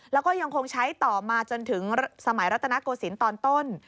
แล้วก็ยังคงใช้ต่อมาจนถึงสมัยรัตนโกศิลป์ตอนต้น